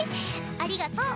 ありがと。